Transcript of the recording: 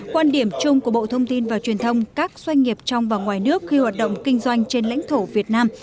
quan điểm chung của bộ thông tin và truyền thông các doanh nghiệp trong và ngoài nước khi hoạt động kinh doanh trên lãnh thổ việt nam